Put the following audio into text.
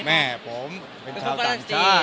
แม่ผมเป็นชาวต่างชาติ